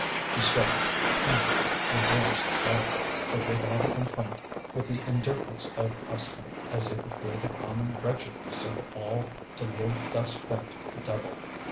She sweated, panted, her joints cracked, but without a complaint, with the indifference of custom, as if it were the common wretchedness of all to live thus bent double.